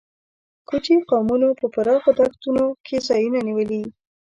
کوچي قومونو په پراخو دښتونو کې ځایونه نیولي.